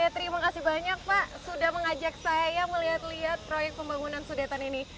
terima kasih banyak pak sudah mengajak saya ya melihat lihat proyek pembangunan sudetan ini